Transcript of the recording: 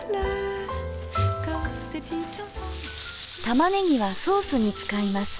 玉ねぎはソースに使います。